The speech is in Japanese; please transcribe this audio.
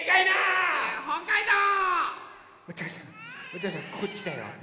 おとうさんこっちだよ。